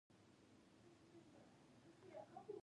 لاس راکه جانانه.